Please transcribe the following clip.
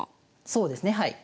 そうですねはい。